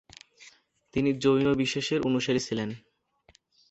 তিনি জৈন বিশ্বাসের অনুসারী ছিলেন।